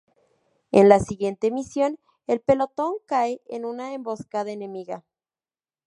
En la siguiente misión, el pelotón cae en una emboscada enemiga.